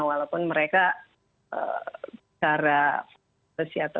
walaupun mereka secara persiap atau secara kebijakannya